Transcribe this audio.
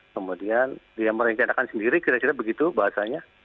kemudian dia merencanakan sendiri kira kira begitu bahasanya